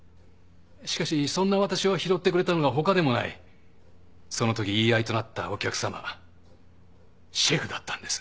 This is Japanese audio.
しかしそんな私を拾ってくれたのが他でもないそのとき言い合いとなったお客さまシェフだったんです。